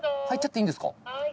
入っちゃっていいんですか？